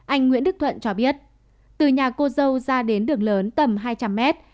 anh nguyễn đức thuận cho biết từ nhà cô dâu ra đến đường lớn tầm hai trăm linh mét